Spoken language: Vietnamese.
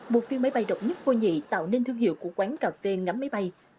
một phiên máy bay độc nhất vô nhị tạo nên thương hiệu của quán cà phê ngắm máy bay